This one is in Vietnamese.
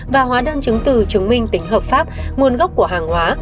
và hóa đơn chứng từ chứng minh tính hợp pháp nguồn gốc của hàng hóa